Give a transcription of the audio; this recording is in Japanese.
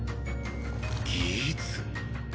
ギーツ！？